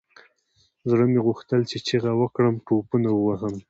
زړه مې غوښتل چې چيغه وكړم ټوپونه ووهم.